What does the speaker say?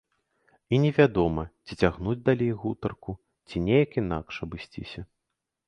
І невядома, ці цягнуць далей гутарку, ці неяк інакш абысціся.